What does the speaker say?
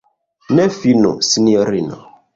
Ne finu, sinjorino!